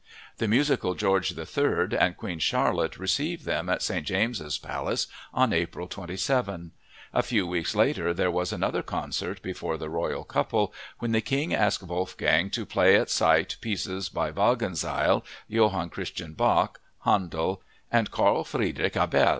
The musical George III and Queen Charlotte received them at St. James's Palace on April 27. A few weeks later there was another concert before the royal couple, when the King asked Wolfgang to play at sight pieces by Wagenseil, Johann Christian Bach, Handel, and Carl Friedrich Abel.